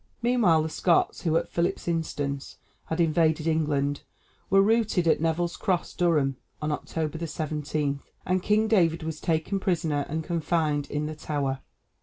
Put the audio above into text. Meanwhile the Scots, who at Philip's instance had invaded England, were routed at Neville's Cross, Durham, on October 17, and King David was taken prisoner and confined in the Tower.